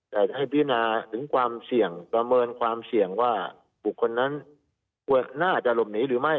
แต่ให้พินาถึงความเสี่ยงประเมินความเสี่ยงว่าบุคคลนั้นควรน่าจะหลบหนีหรือไม่